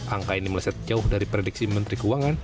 angka ini meleset jauh dari prediksi menteri keuangan